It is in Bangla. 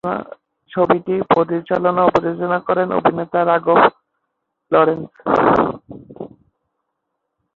ছবিটি পরিচালনা ও প্রযোজনা করেন অভিনেতা রাঘব লরেন্স।